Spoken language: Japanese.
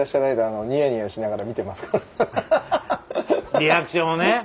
リアクションをね。